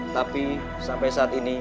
tapi sampai saat ini